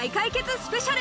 スペシャル。